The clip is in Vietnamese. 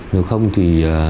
nếu không thì